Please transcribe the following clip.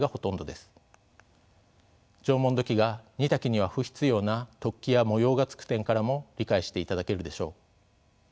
縄文土器が煮炊きには不必要な突起や模様がつく点からも理解していただけるでしょう。